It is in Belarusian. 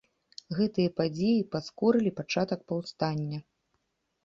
Гэтыя падзеі паскорылі пачатак паўстання.